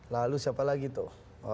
lalu siapa lagi tuh